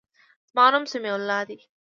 زما نوم سمیع الله دی.